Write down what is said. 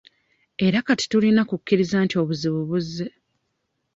Era kati tulina kukkiriza nti obuzibu buzze.